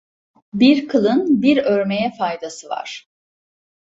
Bir kılın bir örmeye faydası var.